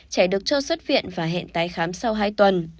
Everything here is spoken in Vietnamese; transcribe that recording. trẻ được cho xuất viện và hẹn tái khám sau hai tuần